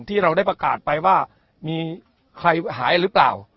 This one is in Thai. ที่เราได้ประกาศไปว่ามีใครหายหรือเปล่า